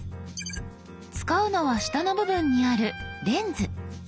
使うのは下の部分にある「レンズ」。